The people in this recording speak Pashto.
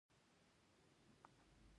د اسطوخودوس چای د بې خوبۍ لپاره وڅښئ